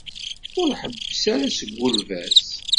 Ur ḥebbes ara seg ulbas.